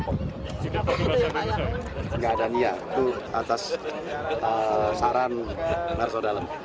gak ada nih ya itu atas saran marsodalam